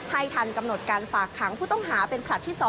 ทันกำหนดการฝากขังผู้ต้องหาเป็นผลัดที่๒